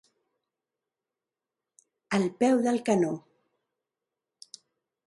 Al peu del canó.